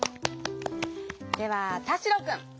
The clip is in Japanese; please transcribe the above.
ではたしろくん。